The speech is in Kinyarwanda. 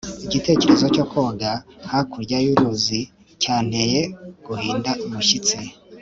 igitekerezo cyo koga hakurya y'uruzi cyanteye guhinda umushyitsi